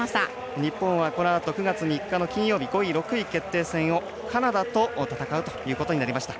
日本は個のあと９月３日に５位６位決定戦をカナダと戦うということになりました。